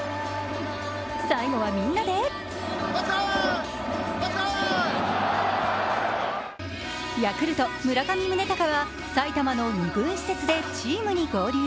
最後はみんなでヤクルト・村上宗隆は埼玉の２軍施設でチームに合流。